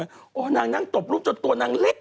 แบบนั้ยนางตบรูปหลบจะตัวนางเล็ก